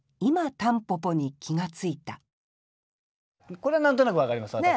これ何となく分かります私も。